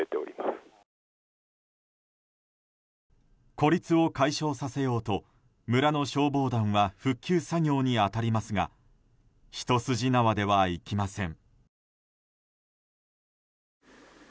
孤立を解消させようと村の消防団は復旧作業に当たりますが一筋縄ではいきません。